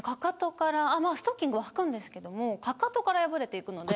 ストッキングを履くんですがかかとから破れていくので。